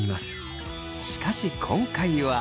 しかし今回は。